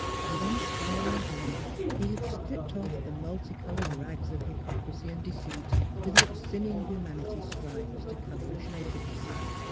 With unsparing hand he had stripped off the multi colored rags of hypocrisy and deceit with which sinning humanity strives to cover its nakedness.